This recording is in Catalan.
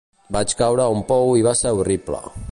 Vaig caure a un pou i va ser horrible.